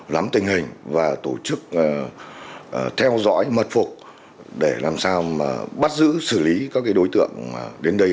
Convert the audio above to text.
lắm tình hình và tổ chức theo dõi mật phục để làm sao mà bắt giữ xử lý các đối tượng đến đây